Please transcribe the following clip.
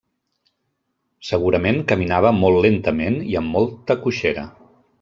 Segurament caminava molt lentament i amb molta coixera.